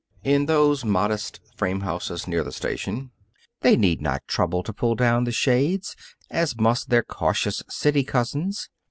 In those modest frame houses near the station they need not trouble to pull down the shades as must their cautious city cousins.